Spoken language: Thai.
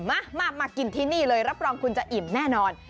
มามากินที่นี่เลยรับรองคุณจะอิ่มแน่นอน